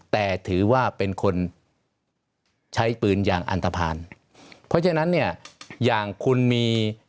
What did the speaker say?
แต่ถือว่าเป็นคนใช้ปืนอย่างอันตภัณฑ์เพราะฉะนั้นเนี่ยอย่างคุณมี